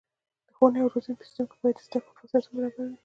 د ښوونې او روزنې په سیستم کې باید د زده کړو فرصتونه برابره وي.